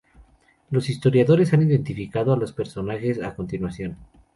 Los historiadores han identificado a los personajes a continuación.